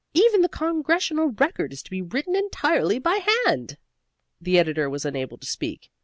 Even the Congressional Record is to be written entirely by hand." The editor was unable to speak.